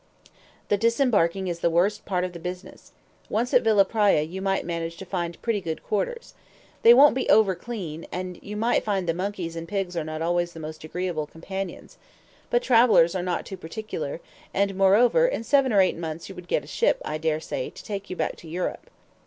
"The disembarking is the worst part of the business. Once at Villa Praya you might manage to find pretty good quarters. They wouldn't be over clean, and you might find the monkeys and pigs not always the most agreeable companions. But travelers are not too particular, and, moreover, in seven or eight months you would get a ship, I dare say, to take you back to Europe."